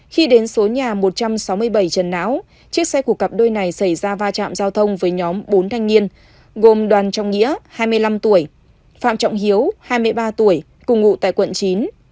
khi đến số nhà một trăm sáu mươi bảy trần não chiếc xe của cặp đôi này xảy ra va chạm giao thông với nhóm bốn thanh niên gồm đoàn trọng nghĩa hai mươi năm tuổi phạm trọng hiếu hai mươi ba tuổi cùng ngụ tại quận chín